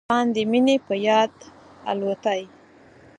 د تاندې مينې په یاد الوتای